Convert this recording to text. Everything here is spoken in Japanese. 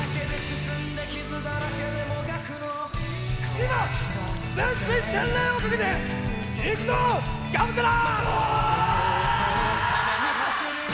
今、全身全霊をかけて、いくぞ、我無沙羅。